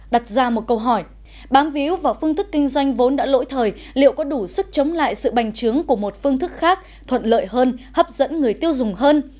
đặt ra một câu hỏi bám víu vào phương thức kinh doanh vốn đã lỗi thời liệu có đủ sức chống lại sự bành trướng của một phương thức khác thuận lợi hơn hấp dẫn người tiêu dùng hơn